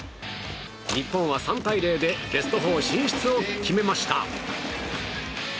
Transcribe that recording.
日本は３対０でベスト４進出を決めました。